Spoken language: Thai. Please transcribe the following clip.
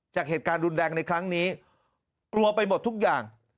จากเหตุการณ์รุนแรงในครั้งนี้กลัวไปหมดทุกอย่าง